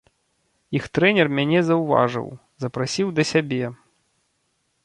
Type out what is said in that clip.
Іх трэнер мяне заўважыў, запрасіў да сябе.